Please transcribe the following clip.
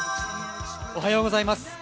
おはようございます。